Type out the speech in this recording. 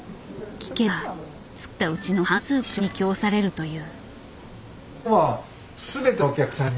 聞けば作ったうちの半数が試食に供されるという。